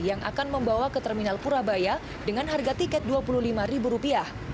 yang akan membawa ke terminal purabaya dengan harga tiket dua puluh lima ribu rupiah